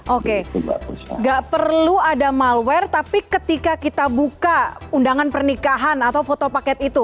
oke gak perlu ada malware tapi ketika kita buka undangan pernikahan atau foto paket itu